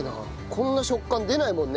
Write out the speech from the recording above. こんな食感出ないもんね